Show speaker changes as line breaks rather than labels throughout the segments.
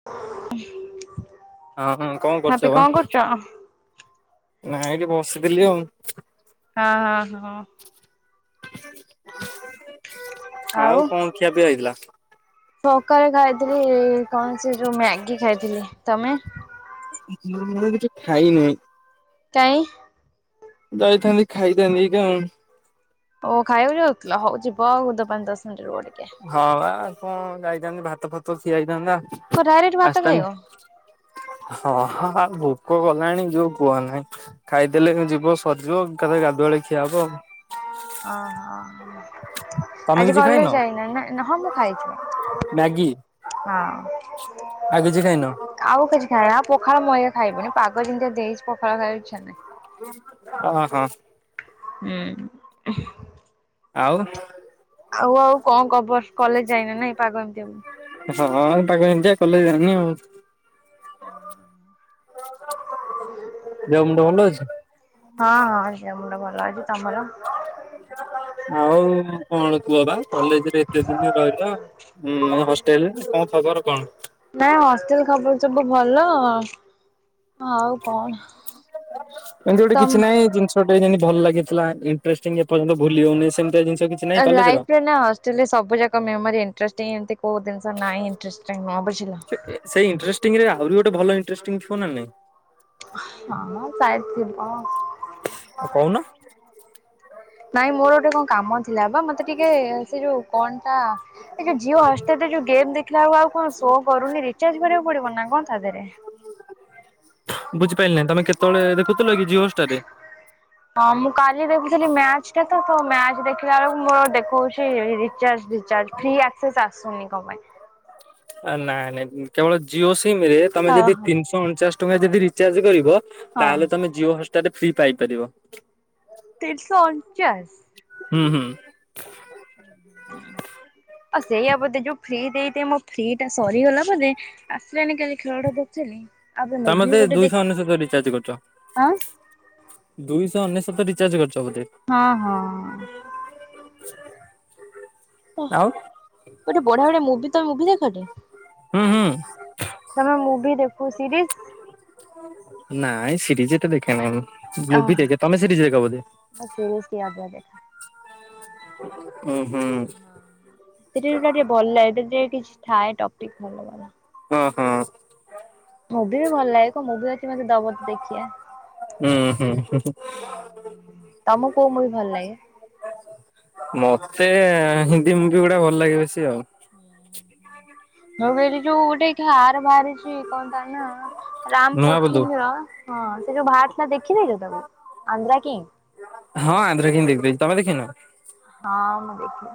[inaudible]
ଅ ହଁ କଣ କରୁଚ
ହାପି
ବା?
କରୁଛ? ହଁ ହଁ ହଁ ହଁ।
ଆଉ କଣ ଖିଆ
ଆଉ
ପିଆ ହେଇଥିଲା?
ସକାଳେ ଖାଇଥିଲି କଣ ସେ ଯୋଉ ମ୍ୟାଗି ଖାଇଥିଲି। ତମେ?
ମୁଁ କିଛି ଖାଇ ନାହିଁ।
କାହିଁ?
ଯାଇଥାନ୍ତି ଖାଇଥାନ୍ତି।
ଓ ଖାଇବାକୁ ଯାଉଥିଲ ହଉ ଯିବ ଆଉ ପାଞ୍ଚ ଦଶ ମିନିଟ ରୁହ ଟିକେ।
ହଁ ବା କଣ ଯାଇଥାନ୍ତି ଭାତ ଫାତ ଖିଆ ହେଇଥାନ୍ତା
କଣ ଡାଇରେକ୍ଟ ଭାତ ଖାଇବ?
ଆସିଥାନ୍ତି। ହଁ ଆଉ ଭୋକ କଲାଣି ଯୋଉ କୁହ ନାହିଁ। ଖାଇଦେଲେ ଯିବ ସରିଯିବ ଏକାଥରେ ଗାଧୁଆ ବେଳେ ଖିଆ ହବ ଆଉ।
ଓହୋ
ତମେ
ଆଜି
କିଛି ଖାଇନ
କଲେଜ ଯାଇନା ନା? ହଁ ମୁଁ ଖାଇଛି।
ମ୍ୟାଗି
ହଁ।
ଆଉ କିଛି ଖାଇଁ ନ?
ଆଉ କିଛି ଖାଇ ଆଉ ପଖାଳ ମଇା ଖାଇବନି ପାଗ ଯେମିତି ଦେଇଛି ପଖଳ ଖାଇ ଇଛା ନାହିଁ।
ହ ହୋ।
ହୁଁ।
ଆଉ।
ଆଉ ଆଉ କଣ ଖବର? କଲେଜ ଯାଇନ ନାଇଁ ପାଗ ଏମିତି ଆବ।
ହଁ ପାଗ ଏମତିଆ କଲେଜ୍ ଯାଇନି ଆଉ।
[inaudible]
ଦେହ ମୁଣ୍ଡ ଭଲ ଅଛି?
ହଁ ହଁ ଦେହ ମୁଣ୍ଡ ଭଲ ଅଛି। ତମର?
ଆଉ କଣ କୁହ ବା କଲେଜରେ ଏତେ ଦିନ ରହିଲ? ହୁଁ ହଷ୍ଟେଲରେ ତମ ଖବର କଣ?
ନାଇଁ ହଷ୍ଟେଲ ଖବର ସବୁ ଭଲ। ଆଉ କଣ
ଏମିତି ଗୋଟେ କିଛି
ତମ
[unintelligible] ଭଲ ଲାଗିଥିଲା ଇଣ୍ଟ୍ରେଷ୍ଟିଙ୍ଗ ଏର୍ଯ୍ୟନ୍ତ ଭୁଲି ହଉନି ସେମିତି ଜିନଷ କିଛି‌।
ଲାଇଫରେ ନା ହଷ୍ଟେଲ ସବୁ ଯାକ ମେମୋରି ଇଣ୍ଟ୍ରେଷ୍ଟିଙ୍ଗ ଏମତି କୋଉ ଜିନ ସ ନାଇଁ ଇଣ୍ଟ୍ରେଷ୍ଟିଙ୍ଗ [unintelligible] ବୁଝିଲ।
ସେଇ ଇଣ୍ଟ୍ରେଷ୍ଟିଙ୍ଗ ରେ ଆହୁରି ଗୋଟ ଭଲ ଇଣ୍ଟ୍ରେଷ୍ଟିଙ୍ଗ [unintelligible] ନଁ ନାଇ।
ହ ପ୍ରାୟ ଥିବ।
କହୁନ?
ନାଇଁ ମୋର ଗୋଟେ କଣ କାମ ଥିଲା ବା ମତେ ଟିକେ ସେ ଯୋଉ କଣ ଟା? ଏ ଯୋ ଜିଓ ହଷ୍ଟେରେ ଯୋଉ ଗେମ ଦେଖିଲାବେଳକୁ ଆଉ କଣ ସୋ କରୁନି ରିଚାର୍ଜ କରିବାକୁ ପଡିବ ନା କଣ ତା ଦେହରେ?
ବୁଝିପାରିଲିନି ତମେ କେତେବେଳେ ଦେଖୁଥିଲ କି ଜିଓ ହୋଷ୍ଟର ରେ?
ହଁ ମୁଁ କାଲି ଦେଖୁଥିଲି ମ୍ୟାଚ ଟା ତ ମ୍ୟାଚ ଦେଖିଲା ବେଳକୁ ମୋର ଦେଖଉଛି ରିଚାର୍ଜ ରିଚାର୍ଜ। ଫ୍ରିଏକ୍ସେସ ଆସୁନି କଣ ପାଇଁ?
ନାଇଁ ନାଇଁ କେବଳ ଜିଓ ସିମ ରେ ତମେ
ହଁ
ଯଦି
ହଁ
ତିନିଶହ ଅଣଚାଶ ଟଙ୍କା ଯଦି ରିଚାର୍ଜ କରିବ।
ହଁ
ତାହେଲେ ତମେ ଜିଓ ହଷ୍ଟାଲରେ ଫ୍ରି ପାଇପାରିବ।
ତିନିଶହ ଅଣଚାଶ?
ହୁଁ ହୁଁ।
ସେଇଆ ବୋଧେ ଯୋଉ ଫ୍ରି ଦେଇଥାଏ ମୋ ଫ୍ରି ଟା ସରିଗଲା ବୋଧେ। ଆସେନି କାଲି ଖେଳଟା ଦେଖୁଥିଲି। ଆବେ
ତମେ
ମୁଭି
ବୋଥେ
ଗୋଟେ
ଦୁଇଶହ
ଦେଖ
ଅନେଶତ ରିଚାର୍ଜ କରୁଛ?
ଆଁ
ଦୁଇଶହ ଅନେଶ୍ୱତ ରିଚାର୍ଜ କରିଛ ବୋଧେ?
ହଁ ହଁ।
[inaudible] ଆଉ
କେତେ ବଢିଆ ବଢିଆ ମୁଭି ତମେ ମୁଭି ଦେଖ ଟି?
ହୁଁ ହୁଁ
ତମେ ମୁଭି ଦେଖୁ ସିରିଜ
ନାଇଁ ସିରିଜ ଏଟେ ଦେଖେ ନାହିଁ ମୁଁ ମୁଭି ଦେଖେ, ତମେ ସିରିଜ ଦେଖ ବୋଧେ?
ବସ୍ [unintelligible] ଆଗ ଦେଖେ।
ହୁଁ ହୁଁ।
ସିରିଏଲ୍ଟା ଟିକେ ଭଲ ସେଥିରେ ଟିକେ କିଛି ଥାଏ ଟପିକ ଭଲ ଭଲ।
ହଁ ହଁ।
ମୁଁଭି ବି ଭଲ ଲାଗେ କଣ ମୁଁଭି ଅଛି ମତେ ଦବ ତ ଦେଖିଆ।
ଉଁ ହୁଁ ହୁଁ ହୁଁଁ।
ହଁ ତମକୁ କୋଉ ମୁଁଭି ଭଲ ଲାଗେ?
ମତେ ହିନ୍ଦୀ ମୁଭିି ଗୁଡା ଭଲ ଲାଗେ ବେଶୀ ଆଉ।
ମୁଁ କହିଲି ଯୋଉ ଗୋଟେ ଆର ବାହାରିଛି କଣ ତା ନା? ରାମ
ନୂଆ ବୋଧୁ।
ପୋଥ ର ହଁ ସେ ଯୋଉ ବାହାରିଥିଲା ଥିଲା ଦେଖିଦେଇଛ ତାକୁ ଆନ୍ଧ୍ରା କି?
ହଁ ଆନ୍ଧ୍ର କିଙ୍କ ଦେଖିଦେଇଚି ତମେ ଦେଖିନ?
ହଁ ମୁଁ ଦେଖି।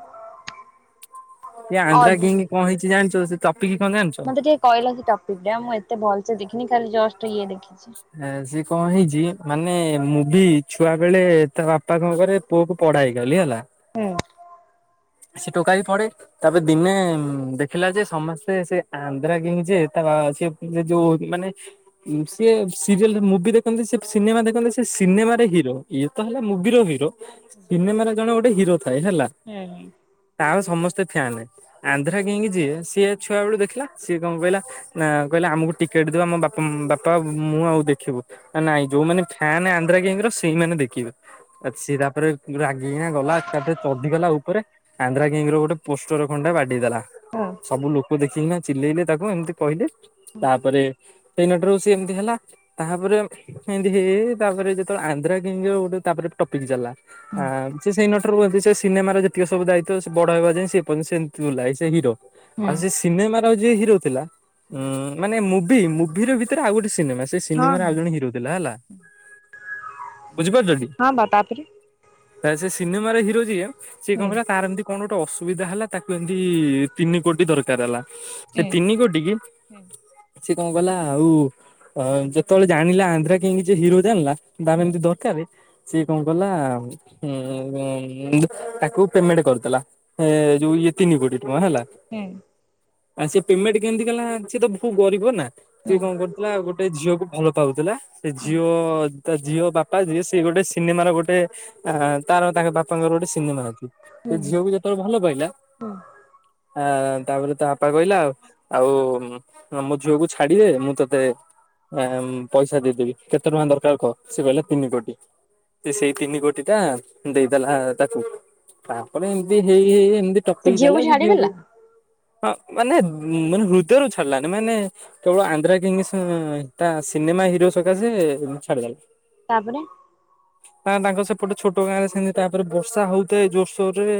ସେ ଆନ୍ଧ୍ରା କିଙ୍କ କଣ ହେଇଛି ଜାଣିଛ ସେ ଟପିକ କଣ ଜାଣିଛ?
ମତେ ଟିକେ କହିଲ ସେ ଟପିକ ଟା ମୁଁ ଏତେ ଭଲସେ ଦେଖିନି ଖାଲି ଜଷ୍ଟ ଇଏ ଦେଖିଛି।
ଏ ସିଏ କଣ ହେଇଛି ମାନେ ମୁଁବି ଛୁଆ ବେଳେ ତା ବାପା କ କରେ ପୁଅ କୁ ପଢାଏ ଗଲି ହେଲା।
ହୁଁ।
ସେ ଟୋକା ବି ପଡେ ତାପରେ ଦିନେ ଦେ ହେଲା ଯେ ସମସ୍ତେ ସେ ଆନ୍ଧ୍ରା କିଙ୍କ ଯେ ତା ସେ ଯୋ ମାନେ ସିଏ ସିରିଏଲ ମୁଭି ଦେଖନ୍ତି ସେ ସିନେମା ଦେଖନ୍ତି ସେ ସିନେମାରେ ହିରୋ ଇଏ ତ ହେଲେ ମୁଭିର ହିରୋ। ସିନେମାରେ ଜଣେ ଗୋଟେ ହିରୋ ଥାଏ ହେଲା।
[inaudible]
ତାର ସମସ୍ତେ ଫ୍ୟାନ ଆନ୍ଧ୍ରା କଙ୍କ ଯିଏ ସିଏ ଛୁଆ ବେଳୁ ଦେଖିଲା ସିଏ କଣ କଇଲା ନା କହିଲା ଆମକୁ ଟିକେଟ ଦିଅ ଆମ ବାପା ବାପା ମୁଁ ଆଉ ଦେଖିବୁ। ନା ନାଇଁ ଯୋଉମାନେ ଫ୍ୟାନ୍ ଆନ୍ଧ୍ରା କଙ୍କ ର ସେଇମାନେ ଦେଖିବେ ଆ ସିଏ ତାପରେ ରା ନିଆଁ ଗଲା ଏକାଥରେ ଚଢିଗଲା ଉପରେ ଆନ୍ଧ୍ରା କିିଙ୍ଗ ରୁ ଗୋଟେ ପୋଷ୍ଟର ଖଣ୍ଡା ବାଡିଦେଲା। ସବୁ ଲୋକ ଦେଖିକିନା ଚିଲେଇଲେ ତାକୁ ଏମିତି କହିଲେ ତାପରେ ସେଇନା ଟା ରୁ ସେ ଏମିତି ହେଲା ତାପରେ ଏମିତି ହେଇ ହେଇ ତାପରେ ଯେତେବେଳେ ଆନ୍ଧ୍ରା କିଙ୍ଗ ଗୋଟେ ତାପରେ ଟପିକ ଚାଲିଲା। ଆଁ ସେ ସେଇନଠାରୁ କୁହନ୍ତି ସେ ସିନେମାର ଯେ ସେ ସବୁ ଦାୟିତ୍ୱ ବଡ଼ବାବା ଯେ ସେ ହେବା ଯାଇଁ ସେ ହିରୋ
ହୁଁ
ଆଉ ସେ ସିନେମାର ଆଉ ଯିଏ ହିରୋ ଥିଲା ଉଁ ମାନେ ମୁଭି ମୁଭି ର ଭିତରେ ଆଉ ଗୋଟେ ସିନେମା ସେ
ହଁ
ସିନେମ ରେ
ହଁ
ଆଉ ଜଣେ ହିରୋ ଥିଲା ହେଲା? ବୁଝିପାରୁଛନ୍ତି?
ହଁ ବା ତାପରେ
ତା ସେ ସିନେମାର ହିରୋ ଯିଏ ସିଏ କଣ
ହୁଁ
କଲା ତାର ଏମିତି କଣ ଗୋଟେ ଅସୁବିଧା ହେଲା ତାକୁ ଏମତି ତିନି କୋଟି ଦରକାର ହେଲା। ସେ
ହୁଁ
ତିନି କୋଟି କି
ହୁଁ ହୁଁ
ସିଏ କଣ କଲା ଆଉ ଯେତେବେଳେ ଜାଣିଲା ଆନ୍ଧ୍ରା କୀଙ୍କ୍ ଯେ ହିରୋ ଜାଣିଲା। ଦାମ ଏମିତି ଦରକାର ସିଏ କଣ କଲା ଉଁ କୁ ପେମେଣ୍ଟ କରିଦେଲା ଏ ଯୋଉ ଇଏ ତିନି କୋଟି ଟଙ୍କା ହେଲା।
ହୁଁ।
ଆ ସେ ପେମେଣ୍ଟ କେମିତି କଲା ସିଏ ତ ବୋହୁତ ଗରିବ ନା
ହୁଁ
ସିଏ କଣ କରିଥିଲା ଗୋଟେ ଝିଅକୁ ଭଲ ପାଉଥିଲା ସେ
ହୁଁ
ଝିଅ ତା ଝିଅ ବାପା ଯିଏ ସେ ଗୋଟେ ସିନେମା ର ଗୋଟେ ଅ ତାର ତାଙ୍କ ବାପାଙ୍କର ଗୋଟେ ସିନେମା ଅଛି।
ହୁଁ
ସେ ଝିଅକୁ ଯେତେବେଳେ ଭଲ ପାଇଲା
ହୁଁ
ହଁ ତାପରେ ତା ବାପା କହିଲା ଆଉ ଆଉ ମୋ ଝିଅକୁ ଛାଡିଦେ ମୁଁ ତତେ ପଇସା ଦେଇଦେବି କେତେ ଟଙ୍କା ଦରକାର କହ। ସେ କହିଲା ତିନି କୋଟି ସେ ସେଇ ତିନି କୋଟି ଟା ଦେଇଦେଲା ତାକୁ। ତାପରେ ଏମିତି ହେଇ ହେଇ ଏମତି ଟପିକ ଚାଲିଲା। ସେ ଝିଅକୁ ହଁ ମାନେ ମାନେ ହୃଦୟରୁ ଛାଡିଲାନି ମାନେ କେବଳ ଆନ୍ଧ୍ରା କିଙ୍ଗ ତା ସିନେମା ହିରୋ ସକାଶେ ଛାଡିଦେଲା।
ତାପରେ?
ନା ତାଙ୍କ ସେପଟେ ଛୋଟ ଗାଁ ରେ ସେମିତି ତାପରେ ବର୍ଷା ହଉଥାଏ ଜୋରସୋର ରେ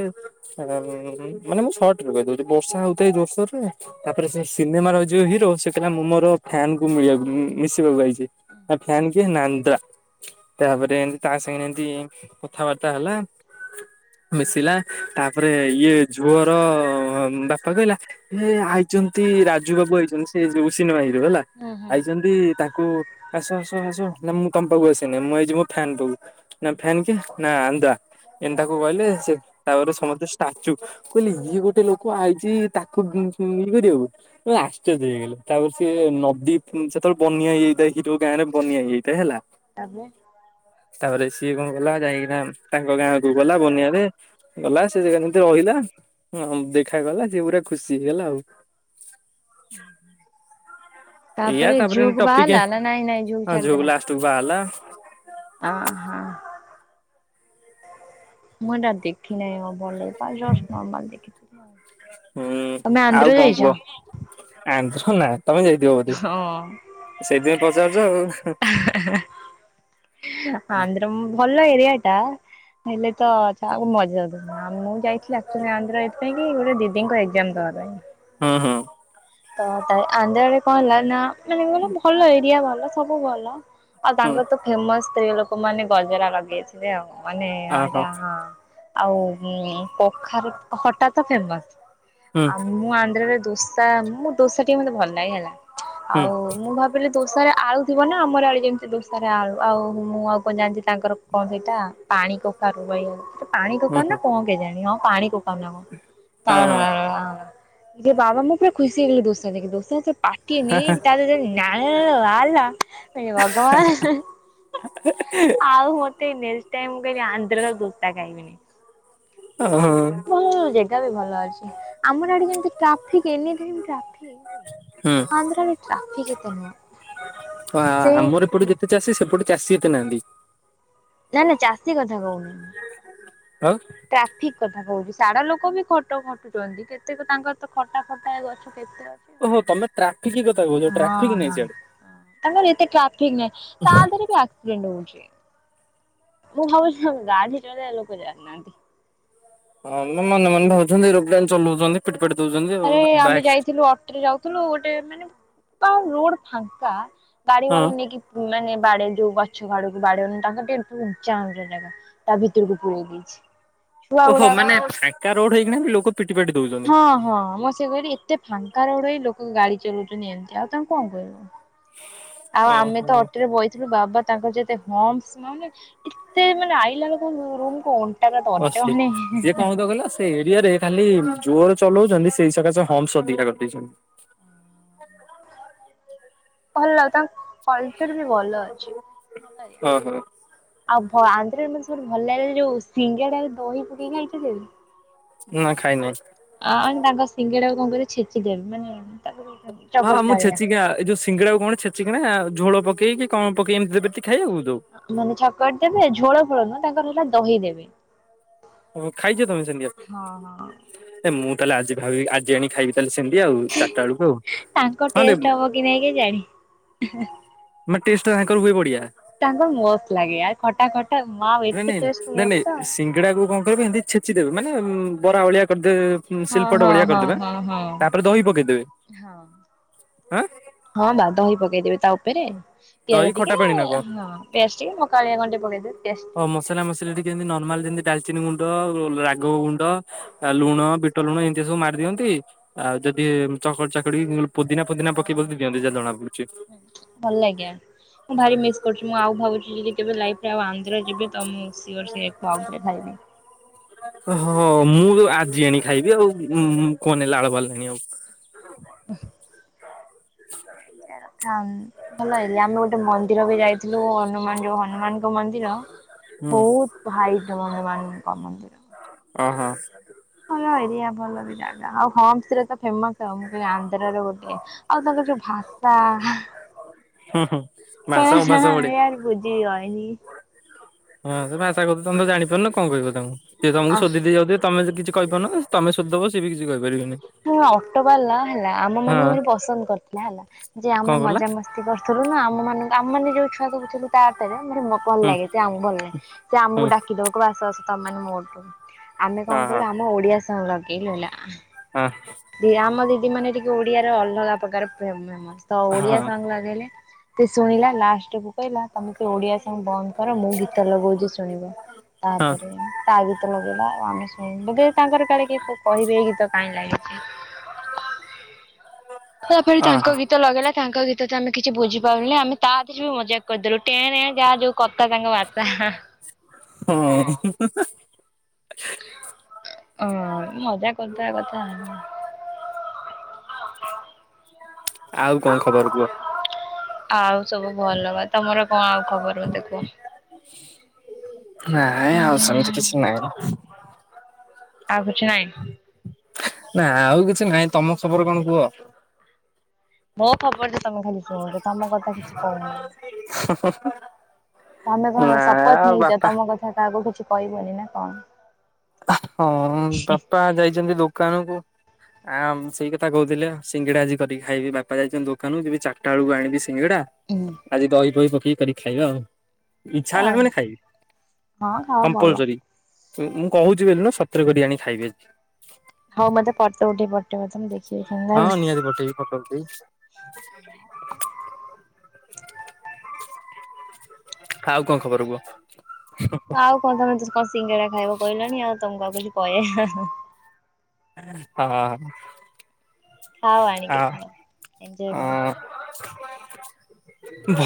ମାନେ ମୁଁ ସର୍ଟରେ କହିଦଉଚି ବର୍ଷା ହଉଥାଏ ଜୋରସୋରରେ ତାପରେ ସେ ସିନେମା ରହିଚି ଯୋଉ ହିରୋ ସେ କହିଲା ମୁଁ ମୋର ଫ୍ୟାନ କୁ ମିଳିବାକୁ ମିଶିବାକୁ ଆଇଚି। ନା ଫ୍ୟାନ କିଏ? ନା ଆନ୍ଦ୍ରା। ତାପରେ ଏମିତି ତା ସାଙ୍ଗେରେ ଏମତି କଥାବାର୍ତ୍ତା ହେଲା। ମିଶିଲା ତାପରେ ଇଏ ଝୁଅର ବାପା କହିଲା ଏ ଆଇଚନ୍ତି ରାଜୁ ବାବୁ ଆଇଚନ୍ତି ସେ ଯୋଉ ସିନେମା ହିରୋ ହେଲା
ହୁଁ ହୁଁ
ଆଇଚନ୍ତି। ତାକୁ ଆସ ଆସ ଆସ ନା ମୁଁ ତମ ପାଖକୁ ଆସିନି ମୁଁ ଆଇଚି ମୋ ଫ୍ୟାନ୍ ପାକୁ। ନା ଫ୍ୟାନ୍ କିଏ? ନା ଆନ୍ଦ୍ରା। ଏନ୍ ତାକୁ କହିଲେ ସେ ତାପରେ ସମସ୍ତେ ଷ୍ଟାଚୁ। କହିଲି ଇଏ ଗୋଟେ ଲୋକ ଆଇଚି ତାକୁ ଇଏ କରିବାକୁ। ଆଶ୍ଚର୍ଯ୍ୟ ହେଇଗଲେ ତାପରେ ସିଏ ନ ଦି ସେତେବେଳେ ବନ୍ୟା ହେଇଯାଇଥାଏ ହିରୋ ଗାଁ ରେ ବନ୍ୟା ହେଇଯାଇଥାଏ ହେଲା।
ତାପରେ
ତାପରେ ସିଏ କଣ ଗଲା ଯାଇକିନା ତାଙ୍କ ଗାଁ କୁ ଗଲା ବନ୍ୟାରେ ଗଲା ସେ ଜାଗା ଯେମିତି ରହିଲା ହ ଦେଖାଗଲା ସେ ପୁରା ଖୁସି ହେଇଗଲା ଆଉ।
ତାପରେ ଝିଅକୁ ବାହାରଲା ନା ନାଇଁ ନାଇଁ ଝିଅକୁ ଛାଡିଦେଲା।
ତ ବା ହେଲା।
ଅ ହ। ମୁଁ ଏଟା ଦେଖି ନାଇଁ ଆ ଭଲ ପା ଜଷ୍ଟ ନର୍ମାଲ ଦେଖିଥିଲି ଆଉ। ତମେ
ହୁଁ
ଆନ୍ଧ୍ର
ଆଉ କଣ
ଯାଇଛ?
କୁହ? ଆନ୍ଧ୍ର ନା ତମେ ଯାଇଥିବ ବୋଧେ?
ହଁ
ସେଇଥିପାଇଁ ପଚାରୁଚ ଆଉ।
ଆନ୍ଦ୍ରମ୍ ଭଲ ଏରିଆ ଟା। ହେଲେ ତ ଚାହାକୁ ମଜାଦ୍ [unintelligible] ଯାଇଥିଲି ଆକଚାଲି ଆନ୍ଦ୍ର ଏଇଥିପାଇଁ କି ଗୋଟ ଦିଦିଙ୍କ ଏଗଜାମ ଦବା ପାଇଁ।
ହଁ ହଁ।
ତ ତା ଆନ୍ଦ୍ରାରେ କଣ ହେଲା ନା ମାନେ ଭଲ ଏରିଆ ଭଲ ସବୁ ଭଲ। ଆଉ
ହୁଁ
ତାଙ୍କର ତ ଫେମସ ସ୍ତ୍ରୀ ଲୋକ ମାନେ ଗଜରା ଲଗେଇଥିବେ ଆଉ। ମାନେ
ଅହୋ
ଏଇଟା ହଁ। ଆଉ କଖାର ଖଟା ତ ଫେମସ।
ହୁଁ
ଆଉ ମୁଁ ଆନ୍ଦ୍ରାରେ ଦୋସା ମୁଁ ଦୋସା ଟିକେ ମତେ ଭଲ ଲାଗେ ହେଲା।
ହୁଁ
ଆଉ ମୁଁ ଭାବୁ ଦୋସାରେ ଆଳୁ ଥିବ ନା ଆମର ଆଡେ ଯେମିତି ଦୋସାରେ ଆଳୁ ଆଉ ମୁଁ ଆଉ କଣ ଜାଣିଚି ତାଙ୍କର କଣ ସେଇଟା ପାଣି କଖାରୁ ବାଇଗଣ। ପାଣି
ହୁଁ
କଖାରୁ ନା
ହୁଁ
କଣ କେ ଯାଣି ହଁ ପାଣି କଖାରୁ ନା
ହଁ
କଣ
ହଁ
[unintelligible] ଏ ବାବା ମୋ ପୁରା ଖୁସି ହେଇଗଲେ ଦୋସା ଦେଖିକି ଦୋସା ତ ପାଟିଏ ନେଇ ତା ଜିନ ପାଣି ଯେତେବେଳେ ବାହାରିଲା ଏ ଭଗବାନ
ହ [unintelligible]
ଆଉ ମୋଟେ ନେଷ୍ଟ ଟାଇମ୍ ମୁଁ କହିଲି ଆନ୍ଦ୍ରାର ଦୋସା
ଓହୋ
ଖାଇବିନି। ହଁ ଜାଗା ବି ଭଲ ଅଛି ଆମର ଆଡେ ଯେମିତି ଟ୍ରାଫିକ ଏନି ଟାଇମ୍ ଟ୍ରାଫିକ।
ହୁଁ।
ଆନ୍ଧ୍ରରେ ଟ୍ରାଫିକ ଏତେମ।
ପା ଆମର ଏପଟେ ଯେତେ ଚାଷୀ ସେପଟେ ଚାଷୀ ଏତେ ନାହାନ୍ତି।
ନା ନା ଚାଷୀ କଥା କହୁନି।
ଆଉ।
ଟ୍ରାଫିକ କଥା କହୁଚି ସାଡା ଲୋକ ବି ଖଟ ଖଟୁଛନ୍ତି କେତେକ ତାଙ୍କର ତ ଖଟା ଫଟା। ହଁ କେତେ ରକ।
ଓ ହୋ ତମେ ଟ୍ରାକିକି କଥା କହୁଛ ଟ୍ରାଫିକ ନାଇଁ
ହଁ।
ସେଆଡେ।
ତାଙ୍କର ଏତେ ଟ୍ରାଫିକ ନାହିଁ ତା ଦେହରେ ବି ଆକ୍ସିଡେଣ୍ଟ ହଉଛି। ମୁଁ ଭାବୁଛିି ଗାଡିଚଳେ ଲୋକ ଜାଣିନାହାନ୍ତି।
ହଁ ମନେ ମନେ ଭାବୁଛନ୍ତି [inaudible] ଚଲଉଚନ୍ତି ପିଟି ପାଟି ଦଉଚନ୍ତି ବାଇକ।
କି ଯାଉଥିଲୁ ଗୋଟେ ମାନେ ଆଉ ରୋଡ ଫାଙ୍କା ଗାଡି
ହଁ
ବାଲା ନେଇକି। ମାନେ ବାଡେ ଯୋଉ ଗଛ ଆଡକୁ ବାଡନି ତାଙ୍କ ଟେ ଉଚା ଜାଗା। ତା ଭିତୁରୁକୁ ପୁୁରେଇ ଦେଇଛି। ଛୁଆ
ଓହୋ ମାନ
ଗୁଡାକ
ଫାଙ୍କା ରୋଡ ହେଇକିନା ବି ଲୋକ ପିଟି ପାଟି ଦଉଚ
ହଁ ହଁ ମୁଁ ସେ କହିଲି ଏତେ ଫାଙ୍କା ରୋଡ ହେଇ ଲୋକ ଗାଡି ଚଲାଉଚନ୍ତି ଏମିତି ଆଉ ତାଙ୍କୁ କଣ କହିବ। ଆଉ ଆମେ ତ
ଓହୋ।
ଅଟେରେ ବଇଥିଲୁ ବାବା। ତାଙ୍କର ଯେତେ ହମସଂ ନ ହେନେ ଏତେ ମାନେ ଆଇଲା ବ ରୁମ କୁ। ତା ପରେ ଦର୍ଜ
ଅଶୀ
ହେନେ।
ସିଏ କଣ ହଉଥିବ କହିଲ ସେ ଏରିଆ ରେ ଖାଲି ଜୋର ଚଲଉଚନ୍ତି ସେଇ ସକାଶ ହମ୍ସ ଅଧିକାର କରିଦେଇଛନ୍ତି।
ଭଲ ତାଙ୍କ କଲଚର ବି ଭଲ ଅଛି ଭଲ ଏରିଆଟେ।
ଓହୋ।
ଆଉ ଭ ଆନ୍ଧ୍ରରେ ମାନେ ସବଠୁ ଭଲ ଲାଗ ଯୋଉ ସିଙ୍ଗେଡାରେ ଦହି ପକେଇକି ଆଣିଥିଲେ।
ନା ଖାଇନାଇଁ।
ଆ ଆ ତାଙ୍କ ସିଙ୍ଗେଡାକୁ କଣ କରିବ ଛେଚିଦେ ମାନେ ତାକୁ [inaudible]
ହଁ ମୁଁ
ଭଳିଆ।
ଛେଚିକିଆ ଏ ଯୋଉ ସିଙ୍ଗେଡା କଣ ଛେଚିକିନା ଝୋଳ ପକେଇକି କଣ ପକେଇ ଏମି ଦେବେତି ଖାଇବାକୁ।
ମାନେ ଛକଟ ଦେବେ ଝୋଳ ଫୋଳ ନୁହଁ ତାଙ୍କର ହେଲା ଦହି ଦେବେ।
ହଁ ଖାଇଛ ତମେ
ହଁ ହଁ
ସେମିତିଆ ଏ ମୁଁ ତାହେଲେ ଆଜି ଭାବିବି ଆଜି ଆଣି ଖାଇବି। ତାହଲେ ସେମିତି ଆଉ ଚାରିଟା ବେଳକୁ ଆଉ
ତାଙ୍କ
ହଁ ଲେ।
ଟେଷ୍ଟ ହବ କି ନେଇକି ଜାଣି [inaudible]
ମାନେ ଟେଷ୍ଟ ତାଙ୍କର ହୁଏ ବଢିଆ।
ତାଙ୍କର ମସ୍ତ ଲାଗେ ଆ ଖଟା ଖଟା ମା ଆଉ ଏତେ ଟେଷ୍ଟ ମତେତ।
ଏଡାକୁ କଣ କରିବେ ଏମିତି ଛେଚି ଦେବେ ମାନେ ବରା ଭଳିଆ। କରିଦେବେ ହୁଁ
ହଁ
ଶିଳ୍ପପଟ
ହଁ
ବଳିିଆ
ହଁ
କରିଦେବା
ହଁ ହଁ।
ତାପରେ ଦହି ପକେଇଦେବେ।
ହଁ।
ଆଁ।
ହଁ ବା ଦହି ପକେଇଦେବେ ତା ଉପେରେ ପିଆଜ
ଦହି ଖଟା
ଟିକେ
ପାଣି
ହଁ।
ନା କଣ?
ପେଷ୍ଟଟିିକ ମକାଳିଆ କଣଟେ ପକେଇଦେବେ ଟେଷ୍ଟ।
ତ ମସଲା ମସିଲି ଟିକେ ଏମତି ନର୍ମାଲ ଯେମିତି ଡାଲଚିନି ଗୁଣ୍ଡ ରାଗ ଗୁଣ୍ଡ। ଆ ଲୁଣ ବିଟ ଲୁଣ ଏମିତିଆ ସବୁ ମାରି ଦିଅନ୍ତି ଆଉ ଯଦି ଚକଡି ଚାକଡି। ପୁଦନା ଫୁଦିନା
ହଁ
ପକେଇ
ହଁ
ଫକେଇ ଦଅନ୍ତି ଯା
ହଁ।
ଜଣା ପଡୁଛି।
ଭଲ ଲାଗେ ମୁଁ ଭାରି ମିସ୍ କରୁଛି ମୁଁ ଆଉ ଭାବୁଛି ଯଦି କେବେ ଲାଇଫରେ ଆଉ ଆନ୍ଧ୍ର ଯିବି। ତ ମୁଁ ସିଅର ସେ [inaudible] ଖାଇବି।
ହଁ ମୁଁ ଆଜି ଆଣି ଖାଇବି ଆଉ ଉଁ କଣ ନେଲା ଲାଳୁ [inaudible]
ବାଃ।
[inaudible]
ଭଲ ହେଇ [inaudible] ମେ ଗୋଟେ ମନ୍ଦିର ବି ଯାଇଥିଲୁ ହନୁମାନ ଯୋଉ ହନୁମାନ। ମନ୍ଦିର
ହୁଁ।
ବହୁତ ହାଇଟ ହନୁମାନଙ୍କ ମନ୍ଦିର।
ଓ ହୋ
ହ ଏରିଆ ଭଲ ବି ଜାଗା ଆଉ ହରେ ତ ଫେମସ ଆଉ ମୁଁ କହିଲି ଆନ୍ଧ୍ର ର ଗୋଟେ ଆଉ ତା ଭାଷା
ହୁଁ ହୁଁ ଭାଷା ଅଭାଷା ବଢିଆ।
[unintelligible] [unintelligible]
ହଁ ସେ ଭାଷା କ ତମେ ଜାଣିପାରୁନ କଣ କହିବ ତାଙ୍କୁ ସିଏ ତମକୁ
ଆଃ
ସୋଧି ଦେଇ ଯାଉଥିବ ତମେ ଯ କିଛି କହିପରୁନ ତମେ ସୋଧିଦବ ସି ବି କିଛି କହିପାରିବିନି।
ହ ଅଟୋ ବାଲା ହେଲା ଆମ ମାନଙ୍କୁ ଭାରି ପସନ୍ଦ କରିଥିଲା ହେଲା ଯେ ଆମେ
କଣ କହିଲା
ମଜାମସ୍ତି କର ଥିଲୁ ନା ଆମ ମାନଙ୍କୁ ଆମ ମେ ଯୋଉ ଛୁଆ ଦେଉଥିଲୁ ତା ଅଟୋରେ ମାନେ ଭଲ
ହୁଁ
ଲାଗେ ସେ ଆମକୁ ଭଲ ଲାଗେ ସେ ଆମକୁ
ହୁଁ
ଡାକିଦବ କହିବ ଆସ ଆସ ତ ମାନେ ମୋଠୁ ଆମେ
ହଁ
କଣ କଲୁ ଆମ ଓଡିଆ ସିଙ୍ଗ ଲଗେଇଲୁ ହେଲା
ହଁ
ଦି ଆମ ଦିଦି ମାନେ ଟିକେ ଓଡିଆର ଅଲଗା ପ୍ରକାର ଫ୍ରେମ ତ
ହଁ ହଁ
ଓଡିଆ ସଙ୍ଗ ଲଗେଇଲେ। ସେ ଶୁଣିଲା ଲାଷ୍ଟ କୁ କହିଲା ତମେ ସେ ଓଡିଆ ସଙ୍ଗ ବନ୍ଦ ମୁଁ ଗୀତ ଲଗଉଛି ଶୁଣିବ
ହଁ
ତାପରେ ତା ଗୀତ ଲଗେଇ ଆଉ ଆମେ ହଁ ବୋଧେ ତାଙ୍କର କାଳେ କିଏ କଣ କହିବେ ଏଇ ଗୀ କାଇଁ ଲାଗି ତାପରେ ତାଙ୍କ
ଅହ
ଗୀତ ଲଗେଇଲା ତାଙ୍କ ଗୀତ ତ ତ ଆମେ କି ବଝିପାରିଲୁନି ଆମେ ତା ଦେରେ ବି ମଜା କରିଦଲୁ ଟେଁ ଟଁ ଯାହା ଯାଉ କଥା ତାଙ୍କ ବାର୍ତ୍ତା।
[inaudible]
ହ ମଜା କରିଦବା କଥା।
ଆଉ କଣ ଖବର କୁହ?
ଆଉ ସବୁ ଭଲ ବା ତମର କଣ ଆଉ ଖବର ମୋତେ କୁହ।
ନାଇଁ ଆଉ ସେମିତି କିଛି ନାଇଁ।
ଆଉ କିଛି ନାହିଁ।
ନା ଆଉ କିଛି ନାହିଁ ତମ ଖବର କଣ କୁହ?
ମୋ ଖବର ତ ତମେ ଖାଲି ଶୁଣୁଛ ତମ କଥା କିଛି କହୁନ
[inaudible]
ତମେ କଣ
ନା
ଶପଥ ନେଇଛ
ବାପା
ତମ କଥା କାହାକୁ କିଛି କହିବନି ନା କଣ?
ହଁ ବାପା ଯାଇଛନ୍ତି ଦୋକାନ କୁ।
[inaudible]
ଆଁ ସେଇ କଥା କହୁଥିଲେ ସିଙ୍ଗିଡା ଆଜି କରିକି ଖାଇବି ବାପା ଯାଇଛନ୍ତି ଦୋକାନରୁ ଯିବି ଚାରିଟା ବେଳକୁ ଆଣିବି। ସିଙ୍ଗିଡା ଆଜି ଦହି ଫହି ପକେଇିକି କରିକି ଖାଇବା ଆଉ। ଇଛା ହେଲା
ଆଉ
ମାନେ ଖାଇବି
ହଁ ଖାଅ ଭଲ
କମ୍ପଲସରି। ମୁଁ କହୁଛି ବୋଲି ନୁହେଁ ସତରେ କରି ଆଣି ଖାଇବି ଆଜି।
ହଉ ମତେ ଫୋଟ ଉଠେଇକି ପଠେଇବ ତ ମୁ ଦେଖିବି କେ
ହଁ [unintelligible] ଆଉ କଣ ଖବର କୁହ?
ଆଉ କଣ ତମେ ତ କଣ ସିଙ୍ଗେଡା ଖାଇବା କହିଲଣି ଆଉ ତମକୁ ଆଉ କିଛି କହେ
ହଁ
ଖାଅ ଆଣିକି ଖାଅ ଏଞଜୟ
ଆ
କର।
ଭଲ